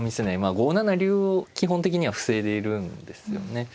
５七竜を基本的には防いでいるんですよね。